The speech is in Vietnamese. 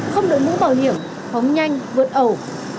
không đợi mũ bảo hiểm hóng nhanh vượt ẩu